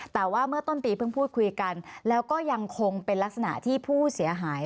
แต่ว่าเมื่อต้นปีเพิ่งพูดคุยกันแล้วก็ยังคงเป็นลักษณะที่ผู้เสียหาย